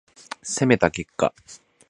攻めた結果